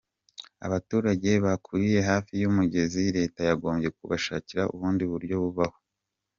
Abaturage baturiye hafi y’umugezi leta yagombye kubashakira ubundi buryo babaho.